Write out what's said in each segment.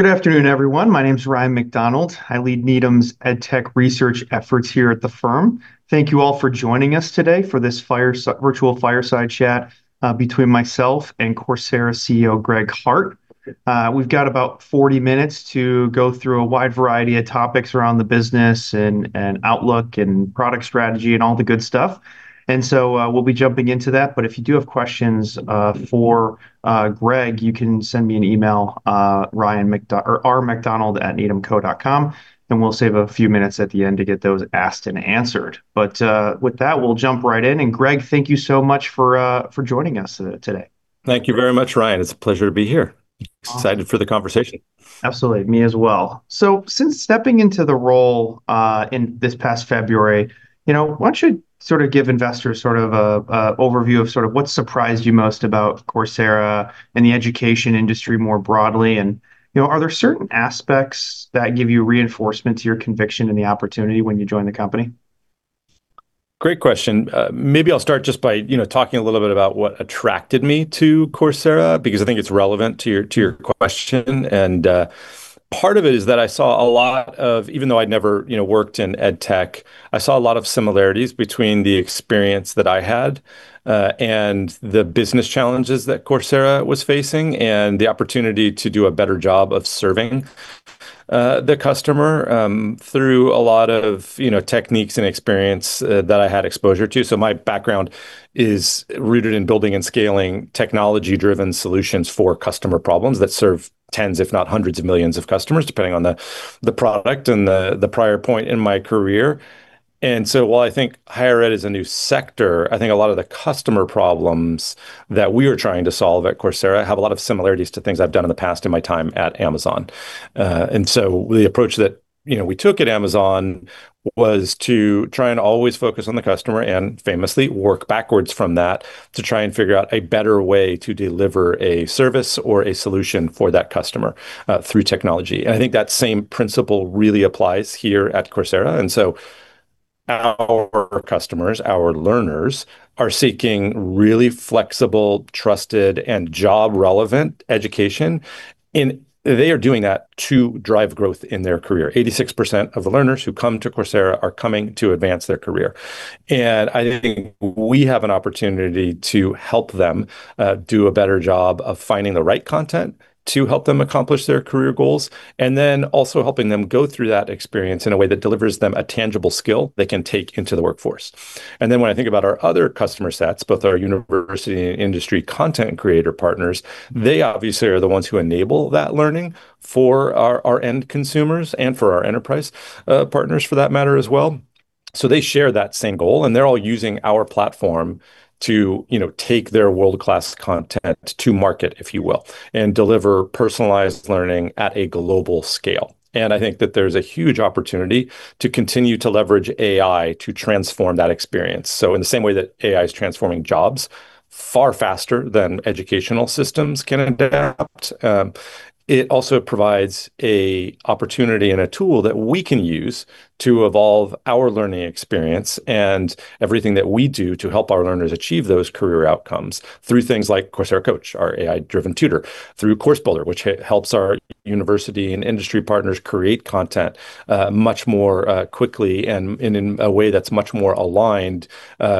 Good afternoon, everyone. My name is Ryan McDonald. I lead Needham's EdTech research efforts here at the firm. Thank you all for joining us today for this virtual fireside chat between myself and Coursera CEO Greg Hart. We've got about 40 minutes to go through a wide variety of topics around the business and outlook and product strategy and all the good stuff. We'll be jumping into that. If you do have questions for Greg, you can send me an email, Ryan or rmacdonald@needhamco.com, and we'll save a few minutes at the end to get those asked and answered. With that, we'll jump right in. Greg, thank you so much for joining us today. Thank you very much, Ryan. It's a pleasure to be here. Excited for the conversation. Absolutely. Me as well. Since stepping into the role this past February, why don't you sort of give investors sort of an overview of sort of what surprised you most about Coursera and the education industry more broadly? Are there certain aspects that give you reinforcement to your conviction and the opportunity when you joined the company? Great question. Maybe I'll start just by talking a little bit about what attracted me to Coursera, because I think it's relevant to your question. Part of it is that I saw a lot of, even though I'd never worked in EdTech, I saw a lot of similarities between the experience that I had and the business challenges that Coursera was facing and the opportunity to do a better job of serving the customer through a lot of techniques and experience that I had exposure to. My background is rooted in building and scaling technology-driven solutions for customer problems that serve tens, if not hundreds of millions of customers, depending on the product and the prior point in my career. While I think higher ed is a new sector, I think a lot of the customer problems that we are trying to solve at Coursera have a lot of similarities to things I've done in the past in my time at Amazon. The approach that we took at Amazon was to try and always focus on the customer and famously work backwards from that to try and figure out a better way to deliver a service or a solution for that customer through technology. I think that same principle really applies here at Coursera. Our customers, our learners, are seeking really flexible, trusted, and job-relevant education. They are doing that to drive growth in their career. 86% of the learners who come to Coursera are coming to advance their career. I think we have an opportunity to help them do a better job of finding the right content to help them accomplish their career goals, and then also helping them go through that experience in a way that delivers them a tangible skill they can take into the workforce. When I think about our other customer sets, both our university and industry content creator partners, they obviously are the ones who enable that learning for our end consumers and for our enterprise partners, for that matter, as well. They share that same goal. They're all using our platform to take their world-class content to market, if you will, and deliver personalized learning at a global scale. I think that there's a huge opportunity to continue to leverage AI to transform that experience. In the same way that AI is transforming jobs far faster than educational systems can adapt, it also provides an opportunity and a tool that we can use to evolve our learning experience and everything that we do to help our learners achieve those career outcomes through things like Coursera Coach, our AI-driven tutor, through Course Builder, which helps our university and industry partners create content much more quickly and in a way that's much more aligned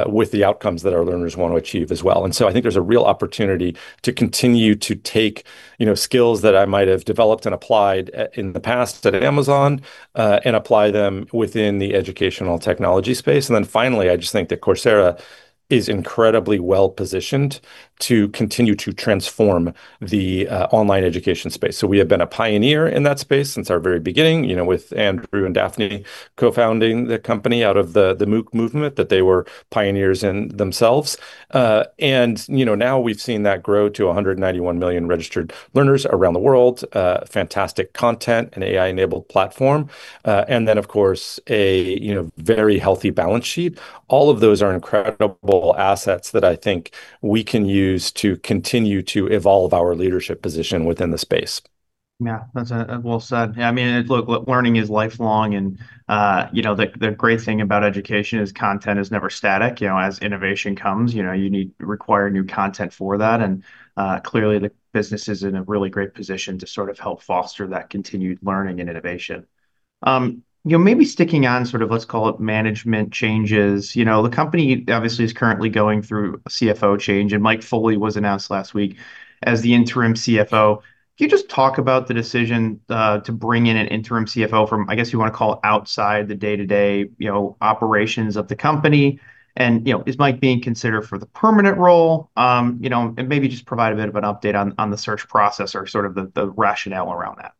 with the outcomes that our learners want to achieve as well. I think there's a real opportunity to continue to take skills that I might have developed and applied in the past at Amazon and apply them within the educational technology space. Finally, I just think that Coursera is incredibly well positioned to continue to transform the online education space. We have been a pioneer in that space since our very beginning, with Andrew and Daphne co-founding the company out of the MOOC movement that they were pioneers in themselves. Now we have seen that grow to 191 million registered learners around the world, fantastic content, an AI-enabled platform, and, of course, a very healthy balance sheet. All of those are incredible assets that I think we can use to continue to evolve our leadership position within the space. Yeah, that's well said. I mean, look, learning is lifelong. The great thing about education is content is never static. As innovation comes, you require new content for that. Clearly, the business is in a really great position to sort of help foster that continued learning and innovation. Maybe sticking on sort of, let's call it, management changes. The company obviously is currently going through a CFO change. Mike Foley was announced last week as the interim CFO. Can you just talk about the decision to bring in an interim CFO from, I guess you want to call it, outside the day-to-day operations of the company? Is Mike being considered for the permanent role? Maybe just provide a bit of an update on the search process or sort of the rationale around that.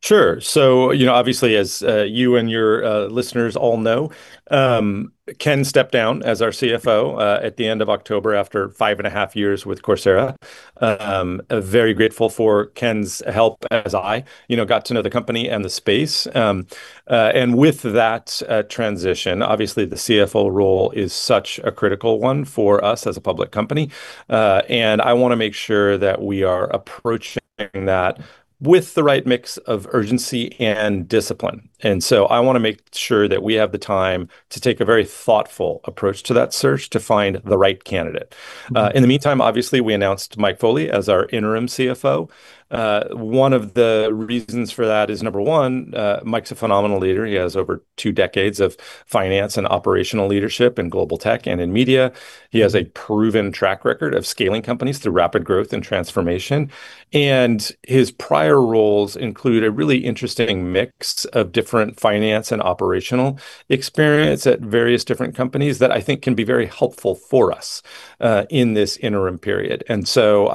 Sure. Obviously, as you and your listeners all know, Ken stepped down as our CFO at the end of October after five and a half years with Coursera. Very grateful for Ken's help as I got to know the company and the space. With that transition, the CFO role is such a critical one for us as a public company. I want to make sure that we are approaching that with the right mix of urgency and discipline. I want to make sure that we have the time to take a very thoughtful approach to that search to find the right candidate. In the meantime, we announced Mike Foley as our interim CFO. One of the reasons for that is, number one, Mike's a phenomenal leader. He has over two decades of finance and operational leadership in global tech and in media. He has a proven track record of scaling companies through rapid growth and transformation. His prior roles include a really interesting mix of different finance and operational experience at various different companies that I think can be very helpful for us in this interim period.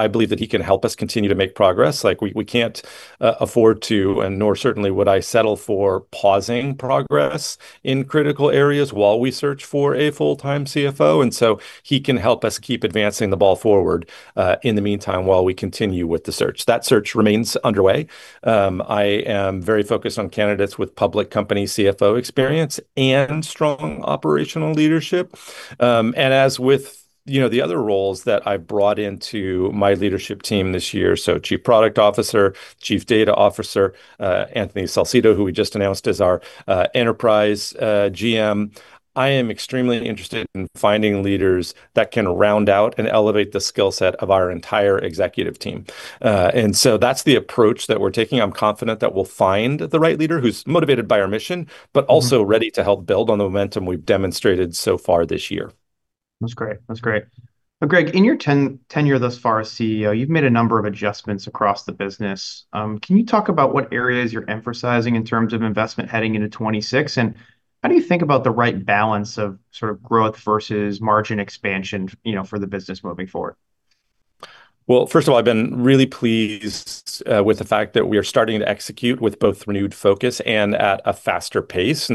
I believe that he can help us continue to make progress. We can't afford to, and nor certainly would I settle for pausing progress in critical areas while we search for a full-time CFO. He can help us keep advancing the ball forward in the meantime while we continue with the search. That search remains underway. I am very focused on candidates with public company CFO experience and strong operational leadership. As with the other roles that I've brought into my leadership team this year, so Chief Product Officer, Chief Data Officer, Anthony Salcedo, who we just announced as our enterprise GM, I am extremely interested in finding leaders that can round out and elevate the skill set of our entire executive team. That is the approach that we're taking. I'm confident that we'll find the right leader who's motivated by our mission, but also ready to help build on the momentum we've demonstrated so far this year. That's great. That's great. Greg, in your tenure thus far as CEO, you've made a number of adjustments across the business. Can you talk about what areas you're emphasizing in terms of investment heading into 2026? How do you think about the right balance of sort of growth versus margin expansion for the business moving forward? First of all, I've been really pleased with the fact that we are starting to execute with both renewed focus and at a faster pace.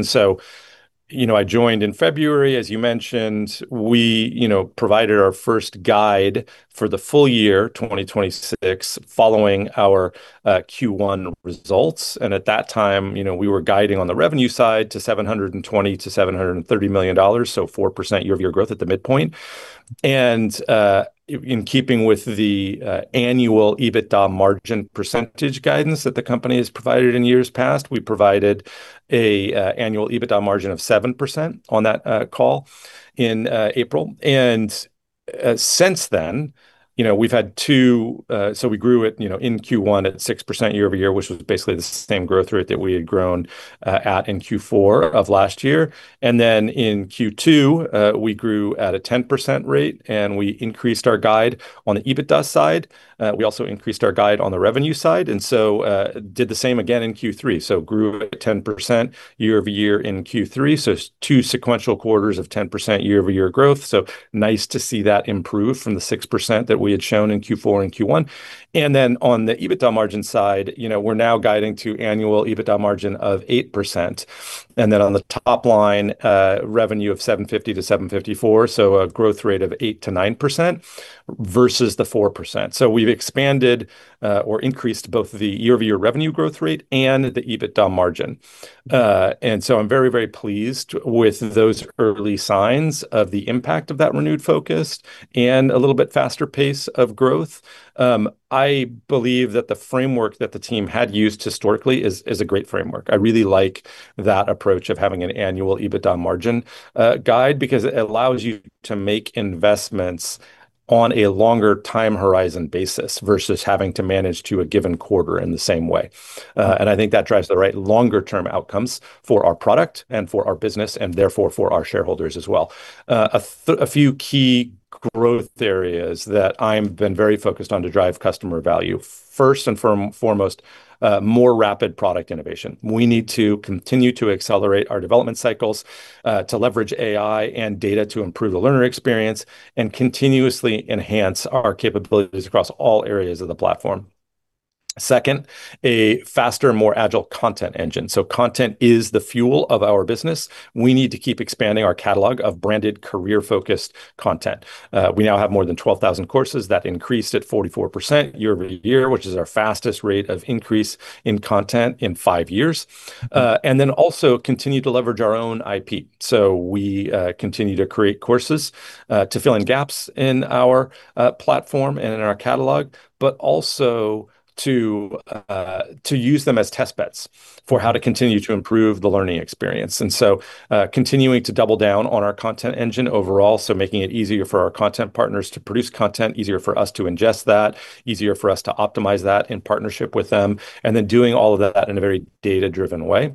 I joined in February, as you mentioned. We provided our first guide for the full year, 2026, following our Q1 results. At that time, we were guiding on the revenue side to $720 million-$730 million, so 4% year-over-year growth at the midpoint. In keeping with the annual EBITDA margin percentage guidance that the company has provided in years past, we provided an annual EBITDA margin of 7% on that call in April. Since then, we grew in Q1 at 6% year-over-year, which was basically the same growth rate that we had grown at in Q4 of last year. In Q2, we grew at a 10% rate. We increased our guide on the EBITDA side. We also increased our guide on the revenue side. We did the same again in Q3. We grew at 10% year-over-year in Q3. That is two sequential quarters of 10% year-over-year growth. It is nice to see that improve from the 6% that we had shown in Q4 and Q1. On the EBITDA margin side, we are now guiding to annual EBITDA margin of 8%. On the top line, revenue of $750 million-$754 million, so a growth rate of 8%-9% versus the 4%. We have expanded or increased both the year-over-year revenue growth rate and the EBITDA margin. I am very, very pleased with those early signs of the impact of that renewed focus and a little bit faster pace of growth. I believe that the framework that the team had used historically is a great framework. I really like that approach of having an annual EBITDA margin guide because it allows you to make investments on a longer time horizon basis versus having to manage to a given quarter in the same way. I think that drives the right longer-term outcomes for our product and for our business, and therefore for our shareholders as well. A few key growth areas that I've been very focused on to drive customer value, first and foremost, more rapid product innovation. We need to continue to accelerate our development cycles to leverage AI and data to improve the learner experience and continuously enhance our capabilities across all areas of the platform. Second, a faster, more agile content engine. Content is the fuel of our business. We need to keep expanding our catalog of branded, career-focused content. We now have more than 12,000 courses that increased at 44% year-over-year, which is our fastest rate of increase in content in five years. We also continue to leverage our own IP. We continue to create courses to fill in gaps in our platform and in our catalog, but also to use them as test beds for how to continue to improve the learning experience. Continuing to double down on our content engine overall, making it easier for our content partners to produce content, easier for us to ingest that, easier for us to optimize that in partnership with them, and doing all of that in a very data-driven way.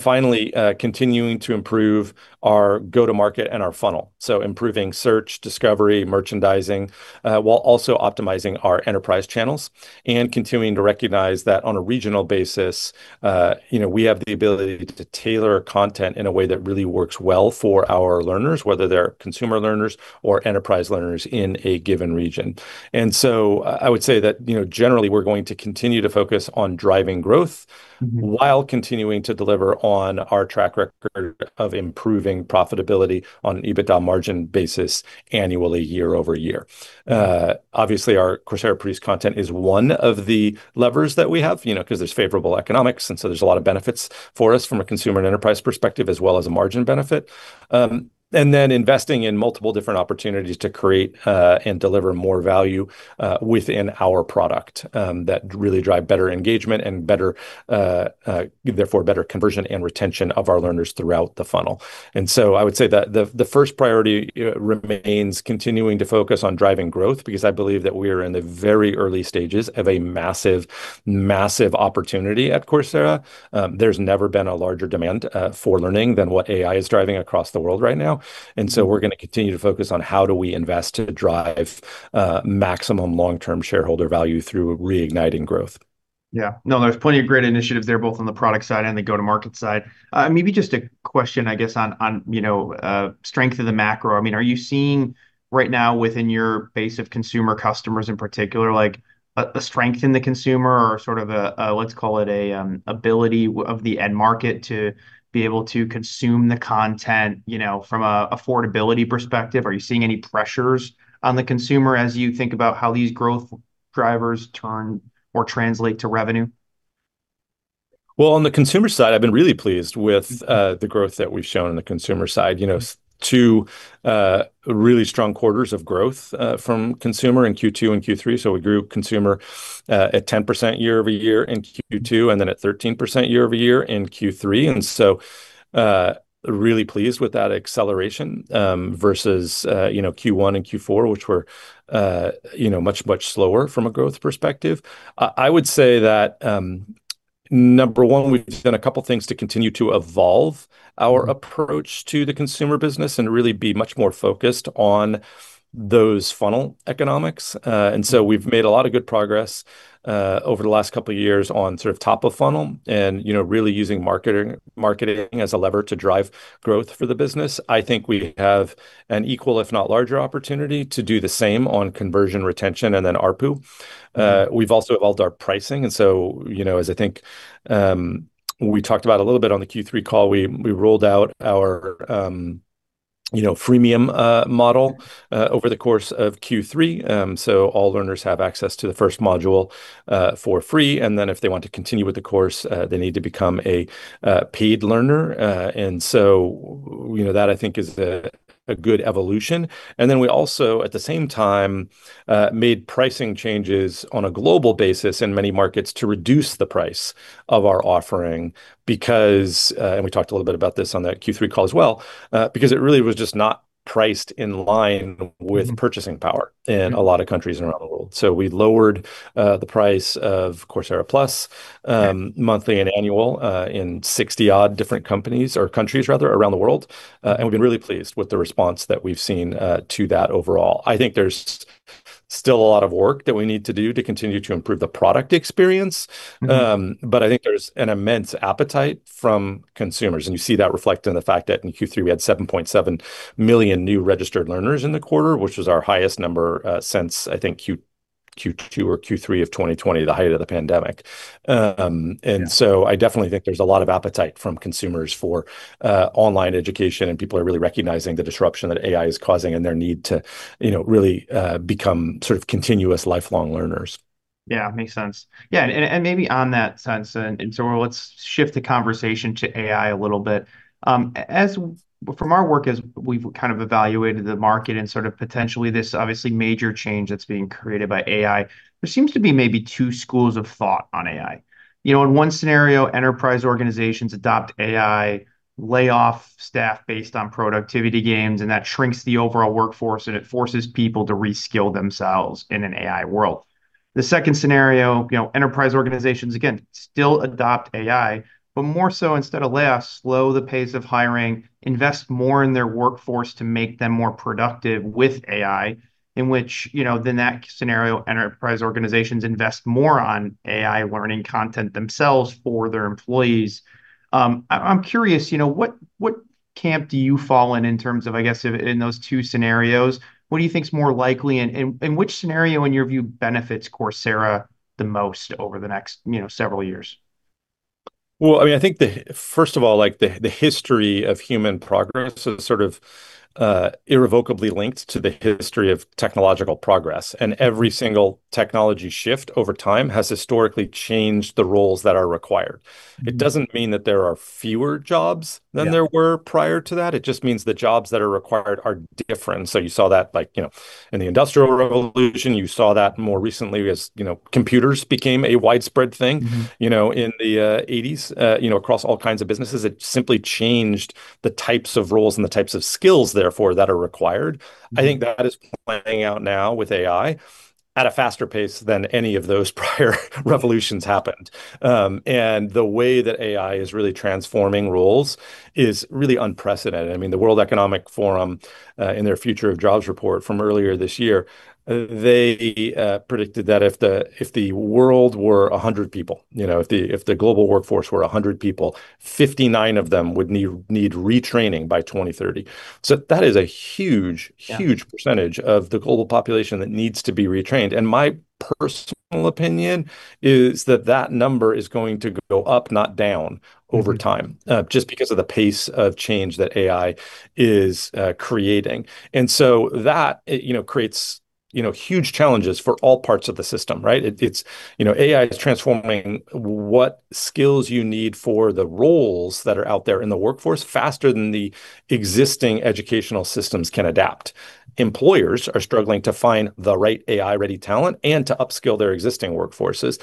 Finally, continuing to improve our go-to-market and our funnel. Improving search, discovery, merchandising, while also optimizing our enterprise channels. Continuing to recognize that on a regional basis, we have the ability to tailor content in a way that really works well for our learners, whether they're consumer learners or enterprise learners in a given region. I would say that generally, we're going to continue to focus on driving growth while continuing to deliver on our track record of improving profitability on an EBITDA margin basis annually, year-over-year. Obviously, our Coursera-produced content is one of the levers that we have because there's favorable economics. There are a lot of benefits for us from a consumer and enterprise perspective as well as a margin benefit. Investing in multiple different opportunities to create and deliver more value within our product really drives better engagement and therefore better conversion and retention of our learners throughout the funnel. I would say that the first priority remains continuing to focus on driving growth because I believe that we are in the very early stages of a massive, massive opportunity at Coursera. There has never been a larger demand for learning than what AI is driving across the world right now. We are going to continue to focus on how do we invest to drive maximum long-term shareholder value through reigniting growth. Yeah. No, there's plenty of great initiatives there, both on the product side and the go-to-market side. Maybe just a question, I guess, on strength of the macro. I mean, are you seeing right now within your base of consumer customers in particular a strength in the consumer or sort of, let's call it, an ability of the end market to be able to consume the content from an affordability perspective? Are you seeing any pressures on the consumer as you think about how these growth drivers turn or translate to revenue? On the consumer side, I've been really pleased with the growth that we've shown on the consumer side. Two really strong quarters of growth from consumer in Q2 and Q3. We grew consumer at 10% year-over-year in Q2 and then at 13% year-over-year in Q3. I am really pleased with that acceleration versus Q1 and Q4, which were much, much slower from a growth perspective. I would say that, number one, we've done a couple of things to continue to evolve our approach to the consumer business and really be much more focused on those funnel economics. We've made a lot of good progress over the last couple of years on sort of top of funnel and really using marketing as a lever to drive growth for the business. I think we have an equal, if not larger opportunity to do the same on conversion retention and then ARPU. We've also evolved our pricing. As I thin`k we talked about a little bit on the Q3 call, we rolled out our freemium model over the course of Q3. All learners have access to the first module for free. If they want to continue with the course, they need to become a paid learner. That, I think, is a good evolution. We also, at the same time, made pricing changes on a global basis in many markets to reduce the price of our offering. We talked a little bit about this on that Q3 call as well, because it really was just not priced in line with purchasing power in a lot of countries around the world. We lowered the price of Coursera Plus monthly and annual in 60-odd different countries around the world. We've been really pleased with the response that we've seen to that overall. I think there's still a lot of work that we need to do to continue to improve the product experience. I think there's an immense appetite from consumers. You see that reflected in the fact that in Q3, we had 7.7 million new registered learners in the quarter, which was our highest number since, I think, Q2 or Q3 of 2020, the height of the pandemic. I definitely think there's a lot of appetite from consumers for online education. People are really recognizing the disruption that AI is causing and their need to really become sort of continuous lifelong learners. Yeah, makes sense. Yeah. Maybe on that sense, let's shift the conversation to AI a little bit. From our work, as we've kind of evaluated the market and sort of potentially this, obviously, major change that's being created by AI, there seems to be maybe two schools of thought on AI. In one scenario, enterprise organizations adopt AI, lay off staff based on productivity gains, and that shrinks the overall workforce, and it forces people to reskill themselves in an AI world. The second scenario, enterprise organizations, again, still adopt AI, but more so instead of layoffs, slow the pace of hiring, invest more in their workforce to make them more productive with AI, in which then that scenario, enterprise organizations invest more on AI learning content themselves for their employees. I'm curious, what camp do you fall in in terms of, I guess, in those two scenarios? What do you think is more likely, and which scenario, in your view, benefits Coursera the most over the next several years? I mean, I think, first of all, the history of human progress is sort of irrevocably linked to the history of technological progress. Every single technology shift over time has historically changed the roles that are required. It does not mean that there are fewer jobs than there were prior to that. It just means the jobs that are required are different. You saw that in the Industrial Revolution. You saw that more recently as computers became a widespread thing in the 1980s across all kinds of businesses. It simply changed the types of roles and the types of skills, therefore, that are required. I think that is playing out now with AI at a faster pace than any of those prior revolutions happened. The way that AI is really transforming roles is really unprecedented. I mean, the World Economic Forum in their Future of Jobs report from earlier this year, they predicted that if the world were 100 people, if the global workforce were 100 people, 59 of them would need retraining by 2030. That is a huge, huge percentage of the global population that needs to be retrained. My personal opinion is that that number is going to go up, not down over time, just because of the pace of change that AI is creating. That creates huge challenges for all parts of the system, right? AI is transforming what skills you need for the roles that are out there in the workforce faster than the existing educational systems can adapt. Employers are struggling to find the right AI-ready talent and to upskill their existing workforces.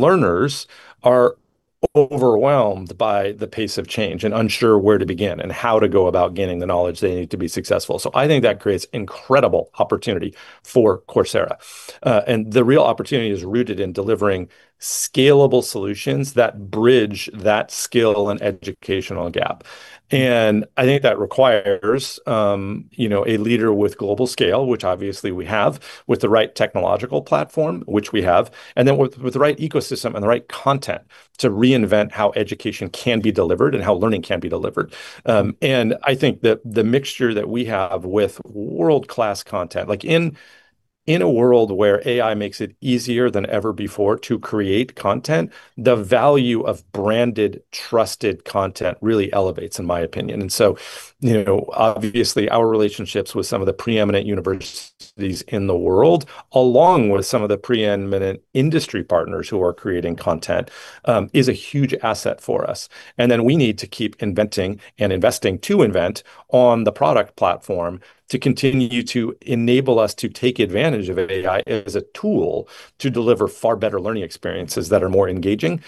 Learners are overwhelmed by the pace of change and unsure where to begin and how to go about gaining the knowledge they need to be successful. I think that creates incredible opportunity for Coursera. The real opportunity is rooted in delivering scalable solutions that bridge that skill and educational gap. I think that requires a leader with global scale, which obviously we have, with the right technological platform, which we have, and then with the right ecosystem and the right content to reinvent how education can be delivered and how learning can be delivered. I think that the mixture that we have with world-class content, like in a world where AI makes it easier than ever before to create content, the value of branded, trusted content really elevates, in my opinion. Obviously, our relationships with some of the preeminent universities in the world, along with some of the preeminent industry partners who are creating content, is a huge asset for us. We need to keep inventing and investing to invent on the product platform to continue to enable us to take advantage of AI as a tool to deliver far better learning experiences that are more engaging,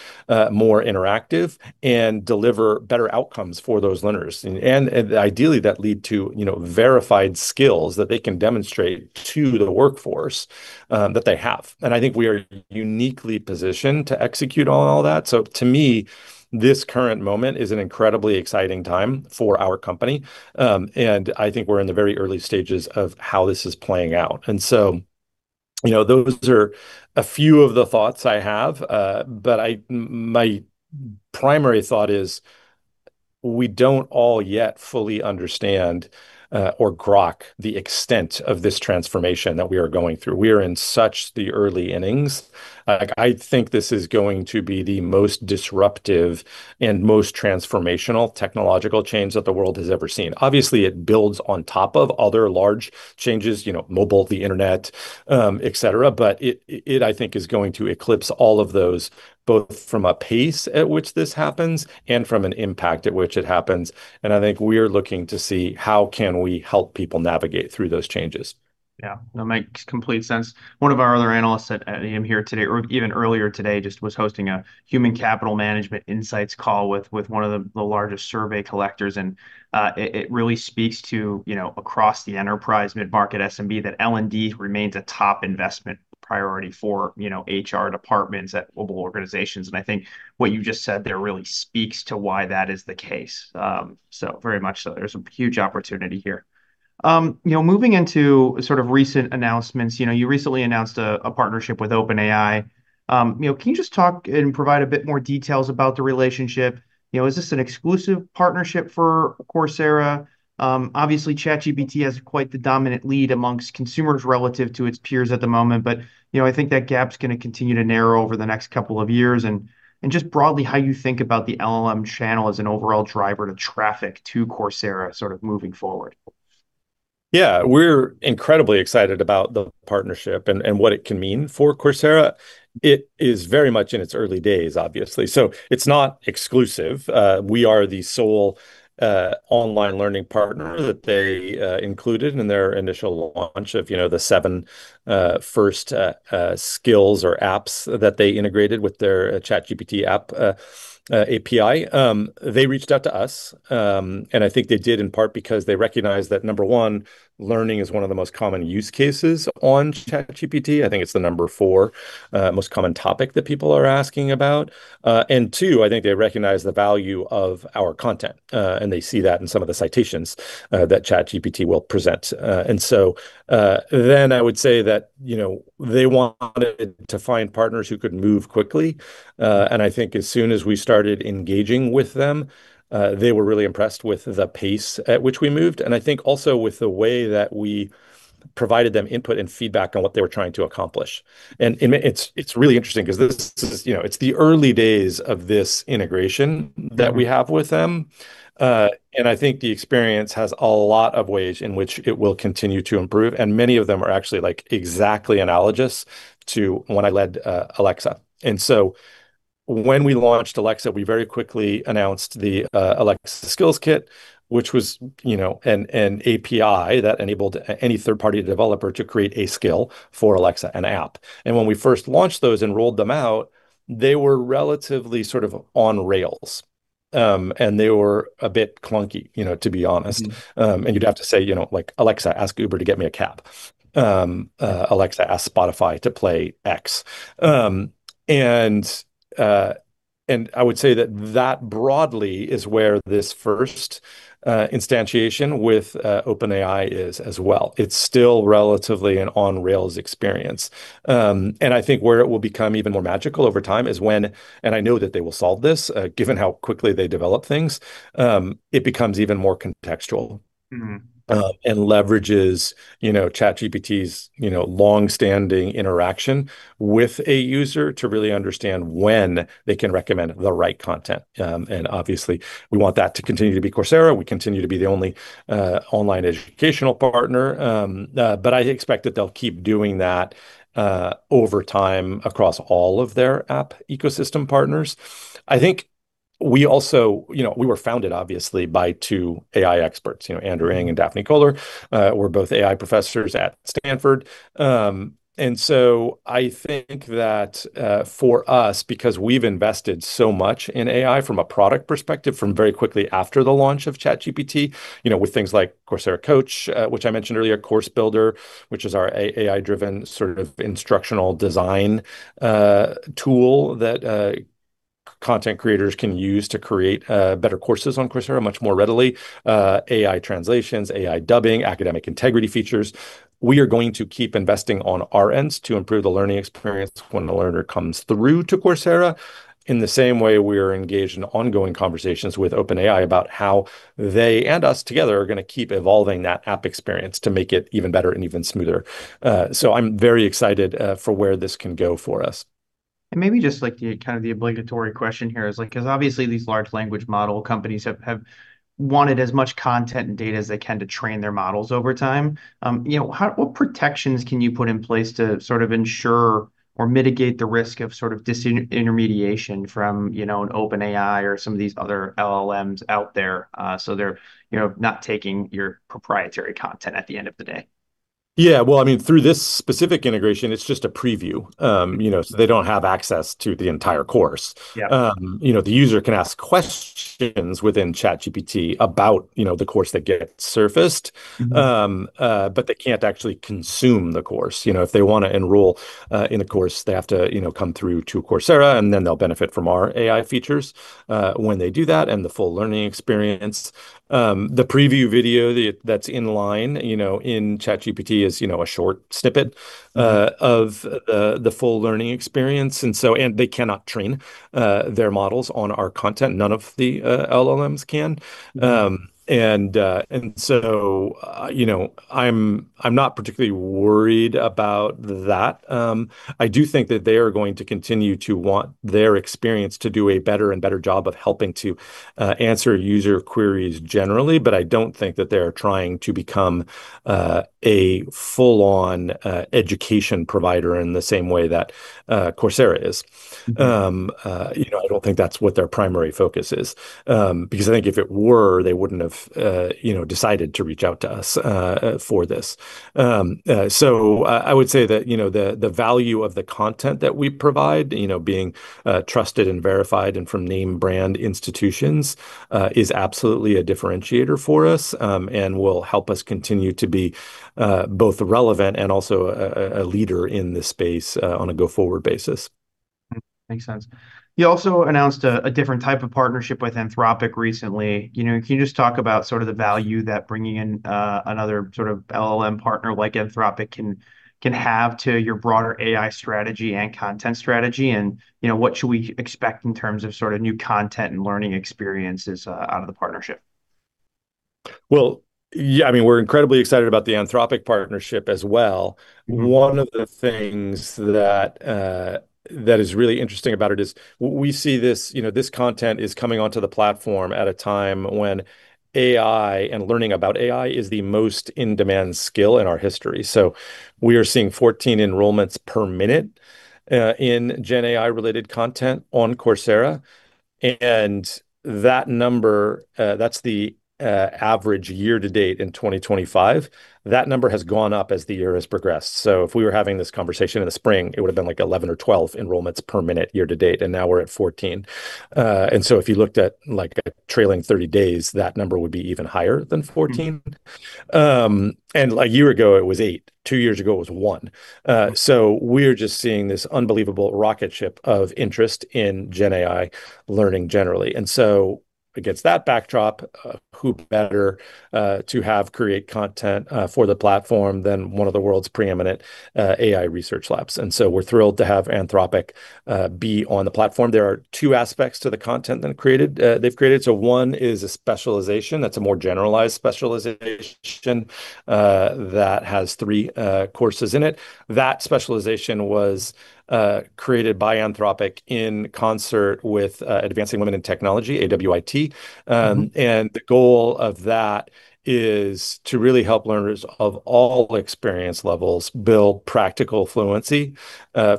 more interactive, and deliver better outcomes for those learners. Ideally, that leads to verified skills that they can demonstrate to the workforce that they have. I think we are uniquely positioned to execute on all that. To me, this current moment is an incredibly exciting time for our company. I think we're in the very early stages of how this is playing out. Those are a few of the thoughts I have. My primary thought is we do not all yet fully understand or grok the extent of this transformation that we are going through. We are in such the early innings. I think this is going to be the most disruptive and most transformational technological change that the world has ever seen. Obviously, it builds on top of other large changes, mobile, the internet, et cetera. It, I think, is going to eclipse all of those, both from a pace at which this happens and from an impact at which it happens. I think we are looking to see how can we help people navigate through those changes. Yeah. That makes complete sense. One of our other analysts at AM here today, or even earlier today, just was hosting a human capital management insights call with one of the largest survey collectors. It really speaks to, across the enterprise mid-market SMB, that L&D remains a top investment priority for HR departments at global organizations. I think what you just said there really speaks to why that is the case. Very much so. There's a huge opportunity here. Moving into sort of recent announcements, you recently announced a partnership with OpenAI. Can you just talk and provide a bit more details about the relationship? Is this an exclusive partnership for Coursera? Obviously, ChatGPT has quite the dominant lead amongst consumers relative to its peers at the moment. I think that gap's going to continue to narrow over the next couple of years. Just broadly, how you think about the LLM channel as an overall driver to traffic to Coursera sort of moving forward. Yeah. We're incredibly excited about the partnership and what it can mean for Coursera. It is very much in its early days, obviously. It is not exclusive. We are the sole online learning partner that they included in their initial launch of the seven first skills or apps that they integrated with their ChatGPT app API. They reached out to us. I think they did in part because they recognize that, number one, learning is one of the most common use cases on ChatGPT. I think it's the number four most common topic that people are asking about. Two, I think they recognize the value of our content. They see that in some of the citations that ChatGPT will present. I would say that they wanted to find partners who could move quickly. I think as soon as we started engaging with them, they were really impressed with the pace at which we moved. I think also with the way that we provided them input and feedback on what they were trying to accomplish. It's really interesting because it's the early days of this integration that we have with them. I think the experience has a lot of ways in which it will continue to improve. Many of them are actually exactly analogous to when I led Alexa. When we launched Alexa, we very quickly announced the Alexa Skills Kit, which was an API that enabled any third-party developer to create a skill for Alexa, an app. When we first launched those and rolled them out, they were relatively sort of on rails. They were a bit clunky, to be honest. You'd have to say, "Alexa, ask Uber to get me a cab." "Alexa, ask Spotify to play X." I would say that that broadly is where this first instantiation with OpenAI is as well. It's still relatively an on-rails experience. I think where it will become even more magical over time is when, and I know that they will solve this, given how quickly they develop things, it becomes even more contextual and leverages ChatGPT's long-standing interaction with a user to really understand when they can recommend the right content. Obviously, we want that to continue to be Coursera. We continue to be the only online educational partner. I expect that they'll keep doing that over time across all of their app ecosystem partners. I think we also, we were founded, obviously, by two AI experts, Andrew Ng and Daphne Koller. We're both AI professors at Stanford. I think that for us, because we've invested so much in AI from a product perspective from very quickly after the launch of ChatGPT, with things like Coursera Coach, which I mentioned earlier, CourseBuilder, which is our AI-driven sort of instructional design tool that content creators can use to create better courses on Coursera much more readily, AI translations, AI dubbing, academic integrity features. We are going to keep investing on our ends to improve the learning experience when a learner comes through to Coursera, in the same way we are engaged in ongoing conversations with OpenAI about how they and us together are going to keep evolving that app experience to make it even better and even smoother. I am very excited for where this can go for us. Maybe just kind of the obligatory question here is, because obviously these large language model companies have wanted as much content and data as they can to train their models over time, what protections can you put in place to sort of ensure or mitigate the risk of sort of disintermediation from an OpenAI or some of these other LLMs out there so they're not taking your proprietary content at the end of the day? Yeah. I mean, through this specific integration, it's just a preview. They don't have access to the entire course. The user can ask questions within ChatGPT about the course that gets surfaced, but they can't actually consume the course. If they want to enroll in the course, they have to come through to Coursera, and then they'll benefit from our AI features when they do that and the full learning experience. The preview video that's in line in ChatGPT is a short snippet of the full learning experience. They cannot train their models on our content. None of the LLMs can. I do think that they are going to continue to want their experience to do a better and better job of helping to answer user queries generally. I don't think that they're trying to become a full-on education provider in the same way that Coursera is. I don't think that's what their primary focus is. I think if it were, they wouldn't have decided to reach out to us for this. I would say that the value of the content that we provide, being trusted and verified and from name-brand institutions, is absolutely a differentiator for us and will help us continue to be both relevant and also a leader in this space on a go-forward basis. Makes sense. You also announced a different type of partnership with Anthropic recently. Can you just talk about sort of the value that bringing in another sort of LLM partner like Anthropic can have to your broader AI strategy and content strategy? What should we expect in terms of sort of new content and learning experiences out of the partnership? Yeah, I mean, we're incredibly excited about the Anthropic partnership as well. One of the things that is really interesting about it is we see this content is coming onto the platform at a time when AI and learning about AI is the most in-demand skill in our history. We are seeing 14 enrollments per minute in GenAI-related content on Coursera. That number, that's the average year-to-date in 2025, that number has gone up as the year has progressed. If we were having this conversation in the spring, it would have been like 11 or 12 enrollments per minute year-to-date. Now we're at 14. If you looked at trailing 30 days, that number would be even higher than 14. A year ago, it was 8. Two years ago, it was 1. We're just seeing this unbelievable rocket ship of interest in Gen AI learning generally. Against that backdrop, who better to have create content for the platform than one of the world's preeminent AI research labs? We're thrilled to have Anthropic be on the platform. There are two aspects to the content they've created. One is a specialization. That's a more generalized specialization that has three courses in it. That specialization was created by Anthropic in concert with Advancing Women in Technology, AWIT. The goal of that is to really help learners of all experience levels build practical fluency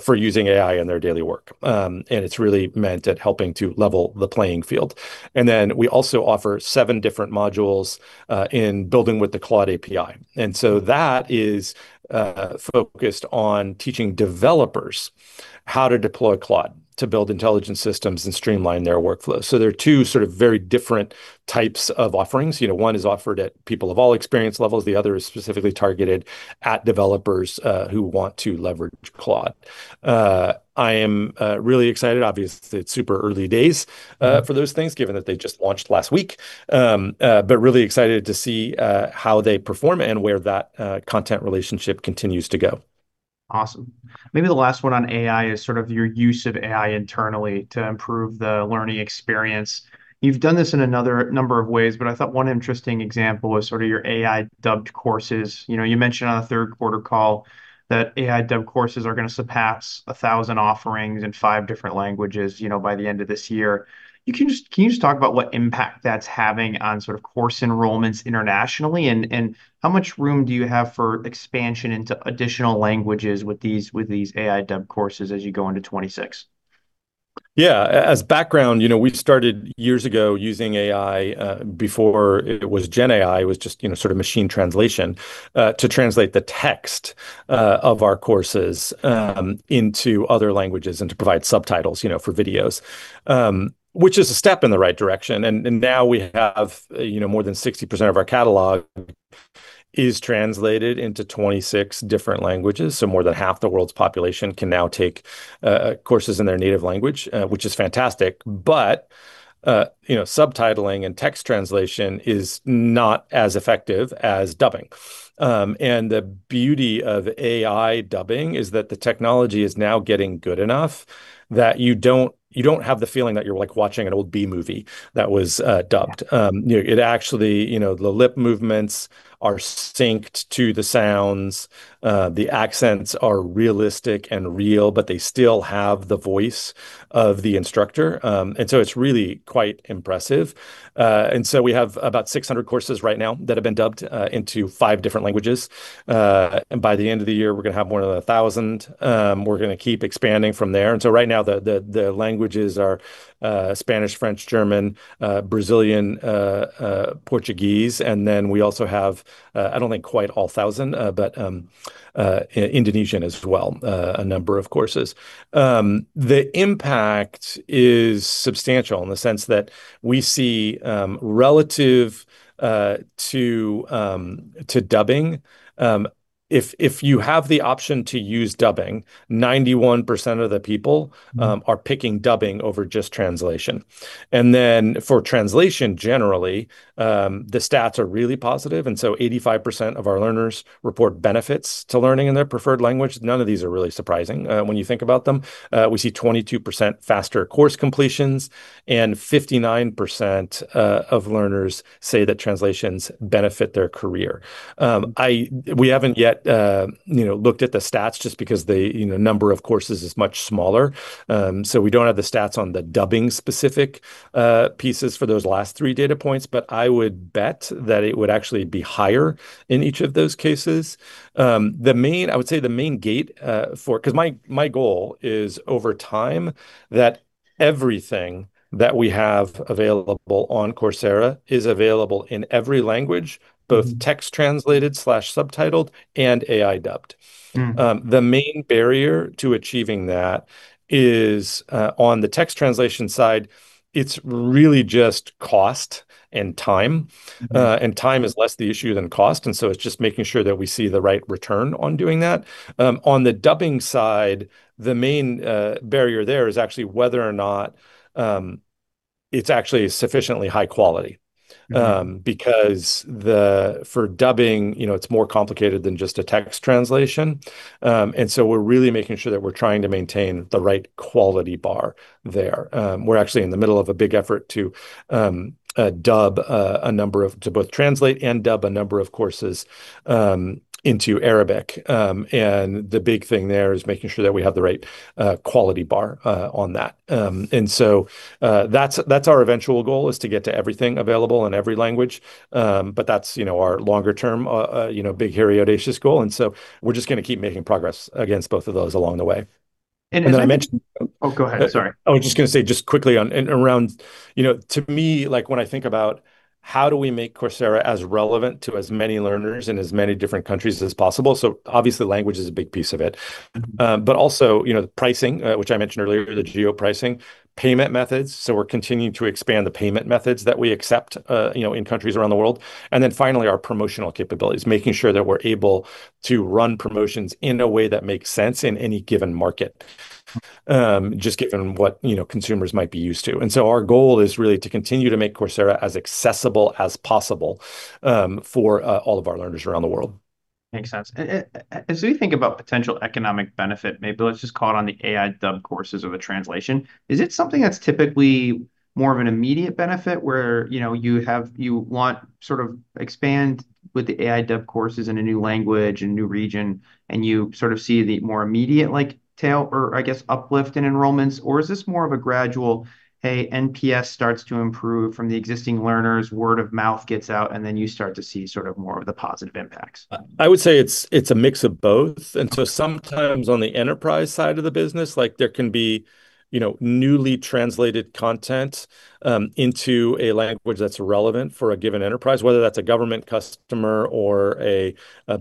for using AI in their daily work. It's really meant at helping to level the playing field. We also offer seven different modules in building with the Claude API. That is focused on teaching developers how to deploy Claude to build intelligence systems and streamline their workflows. There are two sort of very different types of offerings. One is offered at people of all experience levels. The other is specifically targeted at developers who want to leverage Claude. I am really excited. Obviously, it's super early days for those things, given that they just launched last week. Really excited to see how they perform and where that content relationship continues to go. Awesome. Maybe the last one on AI is sort of your use of AI internally to improve the learning experience. You've done this in another number of ways, but I thought one interesting example was sort of your AI-dubbed courses. You mentioned on a third-quarter call that AI-dubbed courses are going to surpass 1,000 offerings in five different languages by the end of this year. Can you just talk about what impact that's having on sort of course enrollments internationally? How much room do you have for expansion into additional languages with these AI-dubbed courses as you go into 2026? Yeah. As background, we started years ago using AI before it was GenAI. It was just sort of machine translation to translate the text of our courses into other languages and to provide subtitles for videos, which is a step in the right direction. Now we have more than 60% of our catalog is translated into 26 different languages. More than half the world's population can now take courses in their native language, which is fantastic. Subtitling and text translation is not as effective as dubbing. The beauty of AI dubbing is that the technology is now getting good enough that you do not have the feeling that you are watching an old B movie that was dubbed. Actually, the lip movements are synced to the sounds. The accents are realistic and real, but they still have the voice of the instructor. It is really quite impressive. We have about 600 courses right now that have been dubbed into five different languages. By the end of the year, we are going to have more than 1,000. We are going to keep expanding from there. Right now, the languages are Spanish, French, German, Brazilian Portuguese. We also have, I do not think quite all 1,000, but Indonesian as well, a number of courses. The impact is substantial in the sense that we see relative to dubbing, if you have the option to use dubbing, 91% of the people are picking dubbing over just translation. For translation, generally, the stats are really positive. 85% of our learners report benefits to learning in their preferred language. None of these are really surprising when you think about them. We see 22% faster course completions, and 59% of learners say that translations benefit their career. We have not yet looked at the stats just because the number of courses is much smaller. We do not have the stats on the dubbing-specific pieces for those last three data points, but I would bet that it would actually be higher in each of those cases. I would say the main gate for, because my goal is over time that everything that we have available on Coursera is available in every language, both text translated/subtitled and AI dubbed. The main barrier to achieving that is on the text translation side, it is really just cost and time. Time is less the issue than cost. It is just making sure that we see the right return on doing that. On the dubbing side, the main barrier there is actually whether or not it's actually sufficiently high quality. Because for dubbing, it's more complicated than just a text translation. We're really making sure that we're trying to maintain the right quality bar there. We're actually in the middle of a big effort to dub a number of, to both translate and dub a number of courses into Arabic. The big thing there is making sure that we have the right quality bar on that. That's our eventual goal, to get to everything available in every language. That's our longer-term, big hairy audacious goal. We're just going to keep making progress against both of those along the way. I mentioned. Oh, go ahead. Sorry. I was just going to say just quickly around, to me, when I think about how do we make Coursera as relevant to as many learners in as many different countries as possible. Obviously, language is a big piece of it. Also pricing, which I mentioned earlier, the geo-pricing, payment methods. We are continuing to expand the payment methods that we accept in countries around the world. Finally, our promotional capabilities, making sure that we are able to run promotions in a way that makes sense in any given market, just given what consumers might be used to. Our goal is really to continue to make Coursera as accessible as possible for all of our learners around the world. Makes sense. As we think about potential economic benefit, maybe let's just call it on the AI-dubbed courses of a translation. Is it something that's typically more of an immediate benefit where you want sort of expand with the AI Dubbing courses in a new language and new region, and you sort of see the more immediate tail or, I guess, uplift in enrollments? Or is this more of a gradual, hey, NPS starts to improve from the existing learners, word of mouth gets out, and then you start to see sort of more of the positive impacts? I would say it's a mix of both. Sometimes on the enterprise side of the business, there can be newly translated content into a language that's relevant for a given enterprise, whether that's a government customer or a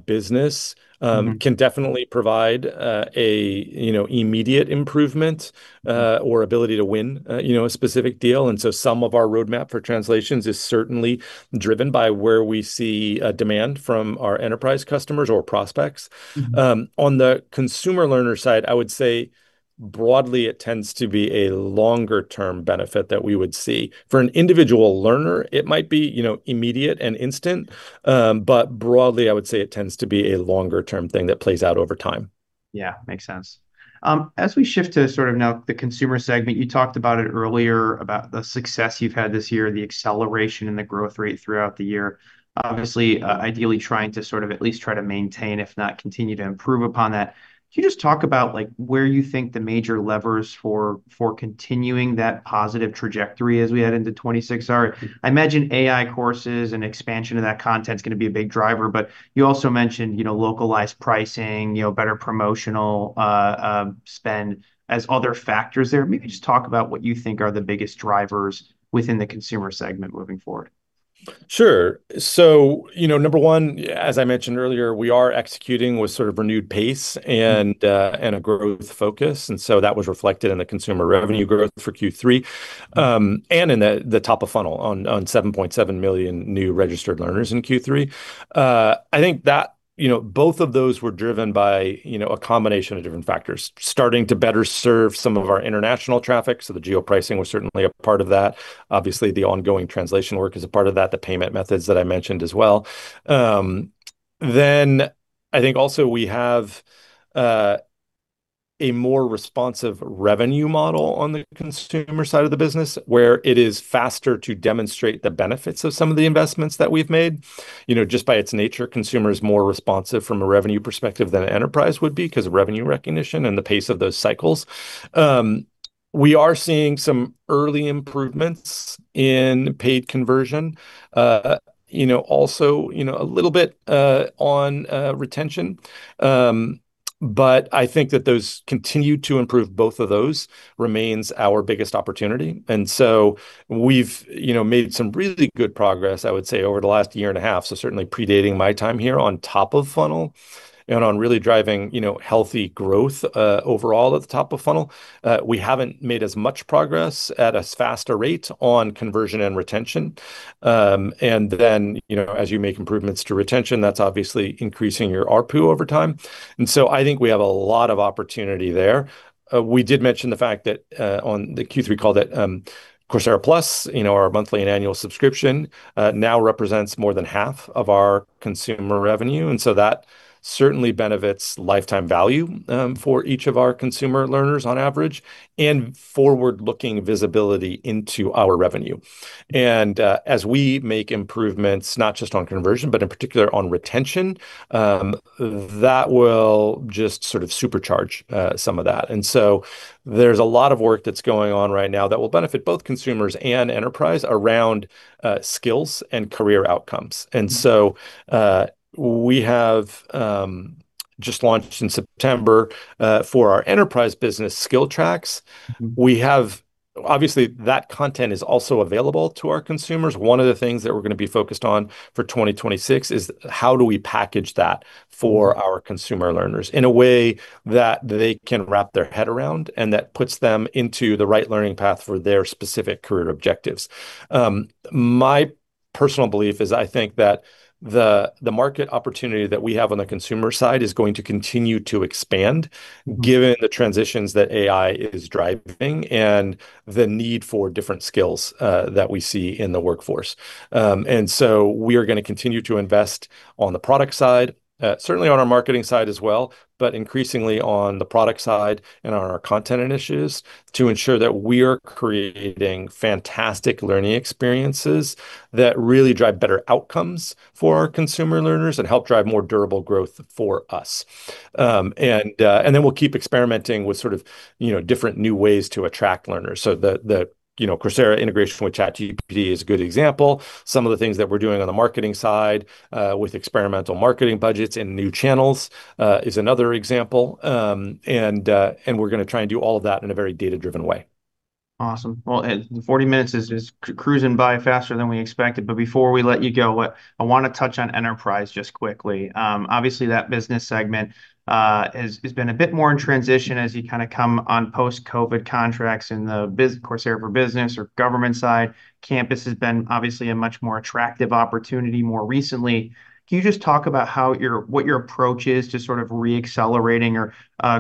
business, can definitely provide an immediate improvement or ability to win a specific deal. Some of our roadmap for translations is certainly driven by where we see demand from our enterprise customers or prospects. On the consumer learner side, I would say broadly, it tends to be a longer-term benefit that we would see. For an individual learner, it might be immediate and instant. Broadly, I would say it tends to be a longer-term thing that plays out over time. Yeah. Makes sense. As we shift to sort of now the consumer segment, you talked about it earlier about the success you've had this year, the acceleration in the growth rate throughout the year. Obviously, ideally trying to sort of at least try to maintain, if not continue to improve upon that. Can you just talk about where you think the major levers for continuing that positive trajectory as we head into 2026 are? I imagine AI courses and expansion of that content is going to be a big driver. You also mentioned localized pricing, better promotional spend as other factors there. Maybe just talk about what you think are the biggest drivers within the consumer segment moving forward. Sure. Number one, as I mentioned earlier, we are executing with sort of renewed pace and a growth focus. That was reflected in the consumer revenue growth for Q3 and in the top of funnel on 7.7 million new registered learners in Q3. I think that both of those were driven by a combination of different factors, starting to better serve some of our international traffic. The geo-pricing was certainly a part of that. Obviously, the ongoing translation work is a part of that, the payment methods that I mentioned as well. I think also we have a more responsive revenue model on the consumer side of the business where it is faster to demonstrate the benefits of some of the investments that we've made. Just by its nature, consumer is more responsive from a revenue perspective than an enterprise would be because of revenue recognition and the pace of those cycles. We are seeing some early improvements in paid conversion, also a little bit on retention. I think that those continue to improve. Both of those remains our biggest opportunity. We have made some really good progress, I would say, over the last year and a half. Certainly predating my time here on top of funnel and on really driving healthy growth overall at the top of funnel, we have not made as much progress at a faster rate on conversion and retention. As you make improvements to retention, that is obviously increasing your ARPU over time. I think we have a lot of opportunity there. We did mention the fact that on the Q3, we called it Coursera Plus, our monthly and annual subscription now represents more than half of our consumer revenue. That certainly benefits lifetime value for each of our consumer learners on average and forward-looking visibility into our revenue. As we make improvements, not just on conversion, but in particular on retention, that will just sort of supercharge some of that. There is a lot of work that is going on right now that will benefit both consumers and enterprise around skills and career outcomes. We have just launched in September for our enterprise business Skills Tracks. Obviously, that content is also available to our consumers. One of the things that we're going to be focused on for 2026 is how do we package that for our consumer learners in a way that they can wrap their head around and that puts them into the right learning path for their specific career objectives. My personal belief is I think that the market opportunity that we have on the consumer side is going to continue to expand given the transitions that AI is driving and the need for different skills that we see in the workforce. We are going to continue to invest on the product side, certainly on our marketing side as well, but increasingly on the product side and on our content initiatives to ensure that we are creating fantastic learning experiences that really drive better outcomes for our consumer learners and help drive more durable growth for us. We will keep experimenting with sort of different new ways to attract learners. The Coursera integration with ChatGPT is a good example. Some of the things that we are doing on the marketing side with experimental marketing budgets and new channels is another example. We are going to try and do all of that in a very data-driven way. Awesome. Forty minutes is cruising by faster than we expected. Before we let you go, I want to touch on enterprise just quickly. Obviously, that business segment has been a bit more in transition as you kind of come on post-COVID contracts in the Coursera for Business or government side. Campus has been obviously a much more attractive opportunity more recently. Can you just talk about what your approach is to sort of re-accelerating or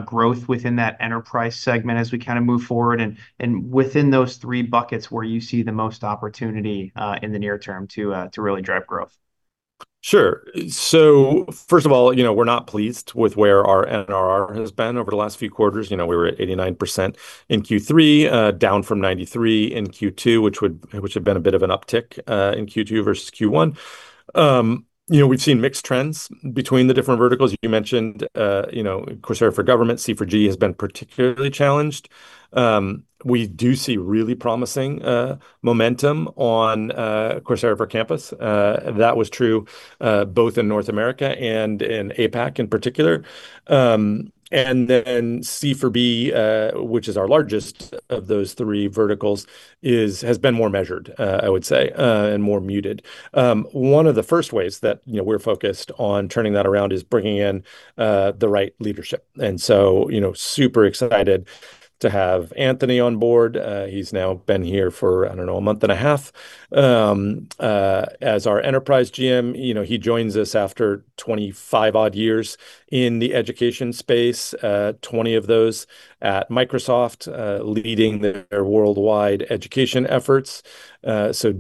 growth within that enterprise segment as we kind of move forward and within those three buckets where you see the most opportunity in the near term to really drive growth? Sure. First of all, we're not pleased with where our NRR has been over the last few quarters. We were at 89% in Q3, down from 93% in Q2, which would have been a bit of an uptick in Q2 versus Q1. We've seen mixed trends between the different verticals. You mentioned Coursera for Government. C4G has been particularly challenged. We do see really promising momentum on Coursera for Campus. That was true both in North America and in APAC in particular. C4B, which is our largest of those three verticals, has been more measured, I would say, and more muted. One of the first ways that we're focused on turning that around is bringing in the right leadership. Super excited to have Anthony on board. He's now been here for, I don't know, a month and a half as our enterprise GM. He joins us after 25-odd years in the education space, 20 of those at Microsoft leading their worldwide education efforts.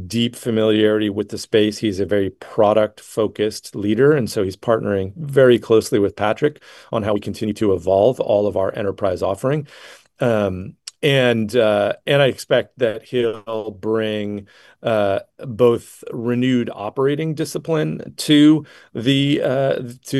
Deep familiarity with the space. He's a very product-focused leader. He's partnering very closely with Patrick on how we continue to evolve all of our enterprise offering. I expect that he'll bring both renewed operating discipline to the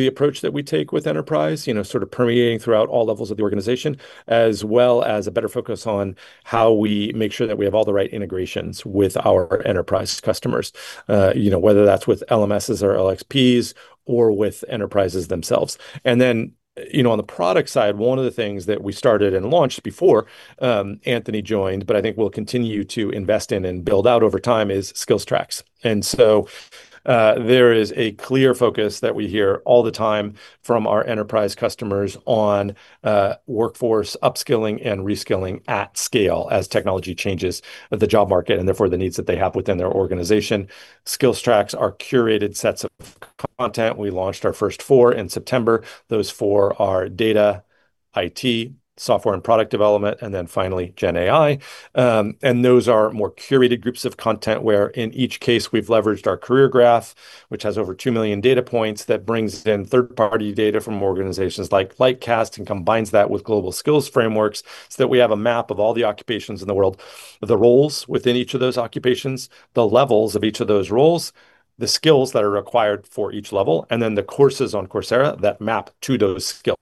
approach that we take with enterprise, sort of permeating throughout all levels of the organization, as well as a better focus on how we make sure that we have all the right integrations with our enterprise customers, whether that's with LMSs or LXPs or with enterprises themselves. On the product side, one of the things that we started and launched before Anthony joined, but I think we'll continue to invest in and build out over time is Skills Tracks. There is a clear focus that we hear all the time from our enterprise customers on workforce upskilling and reskilling at scale as technology changes the job market and therefore the needs that they have within their organization. Skills Tracks are curated sets of content. We launched our first four in September. Those four are data, IT, software and product development, and then finally GenAI. Those are more curated groups of content where in each case, we've leveraged our career graph, which has over 2 million data points that brings in third-party data from organizations like Lightcast and combines that with global skills frameworks so that we have a map of all the occupations in the world, the roles within each of those occupations, the levels of each of those roles, the skills that are required for each level, and then the courses on Coursera that map to those skills.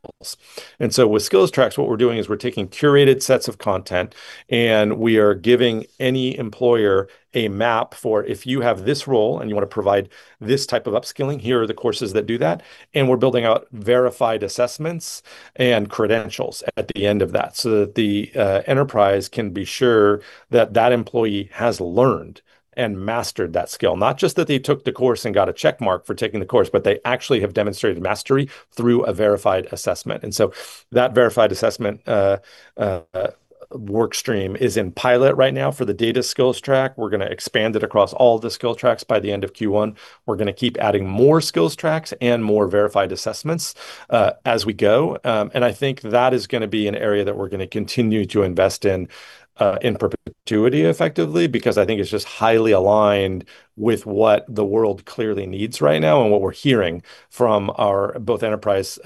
With Skills Tracks, what we're doing is we're taking curated sets of content and we are giving any employer a map for, if you have this role and you want to provide this type of upskilling, here are the courses that do that. We are building out verified assessments and credentials at the end of that so that the enterprise can be sure that that employee has learned and mastered that skill. Not just that they took the course and got a checkmark for taking the course, but they actually have demonstrated mastery through a verified assessment. That verified assessment workstream is in pilot right now for the data Skills Track. We are going to expand it across all the Skills Tracks by the end of Q1. We are going to keep adding more Skills Tracks and more verified assessments as we go. I think that is going to be an area that we're going to continue to invest in in perpetuity effectively because I think it's just highly aligned with what the world clearly needs right now and what we're hearing from our both enterprise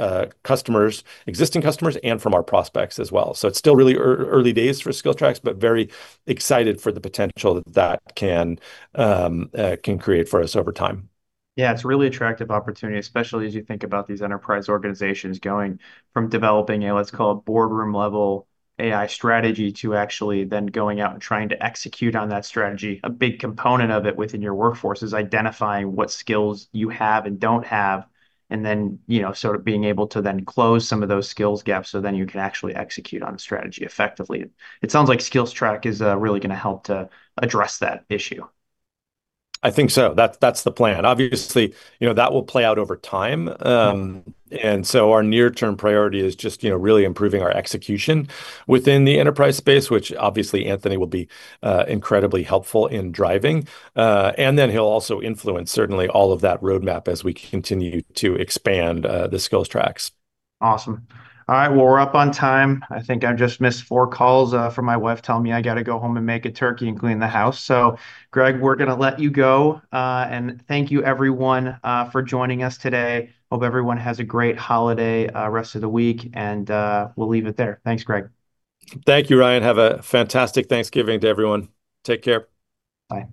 customers, existing customers, and from our prospects as well. It is still really early days for Skills Tracks, but very excited for the potential that that can create for us over time. Yeah. It's a really attractive opportunity, especially as you think about these enterprise organizations going from developing a, let's call it boardroom level AI strategy to actually then going out and trying to execute on that strategy. A big component of it within your workforce is identifying what skills you have and don't have and then sort of being able to then close some of those skills gaps so then you can actually execute on a strategy effectively. It sounds like Skills Tracks is really going to help to address that issue. I think so. That is the plan. Obviously, that will play out over time. Our near-term priority is just really improving our execution within the enterprise space, which obviously Anthony will be incredibly helpful in driving. He will also influence certainly all of that roadmap as we continue to expand the Skills Tracks. Awesome. All right. We're up on time. I think I just missed four calls from my wife telling me I got to go home and make a turkey and clean the house. Greg, we're going to let you go. Thank you, everyone, for joining us today. Hope everyone has a great holiday rest of the week. We'll leave it there. Thanks, Greg. Thank you, Ryan. Have a fantastic Thanksgiving to everyone. Take care. Bye.